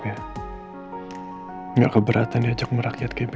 jangan keberatan yangooo role kali ini gua yaa